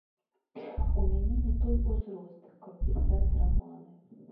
У мяне не той узрост, каб пісаць раманы.